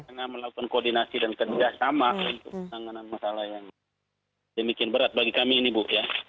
karena melakukan koordinasi dan kerjasama untuk menangkan masalah yang demikian berat bagi kami ini bu